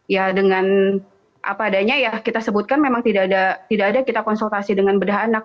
ya dengan apa adanya ya kita sebutkan memang tidak ada kita konsultasi dengan bedah anak